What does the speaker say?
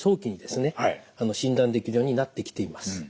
診断できるようになってきています。